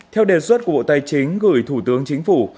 theo đề xuất của bộ tài chính gửi thủ tướng chính phủ